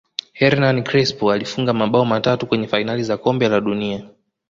hernan crespo alifunga mabao matatu kwenye fainali za kombe la dunia